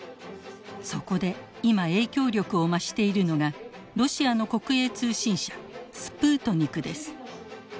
そこで今影響力を増しているのがロシアの国営通信社スプートニクです。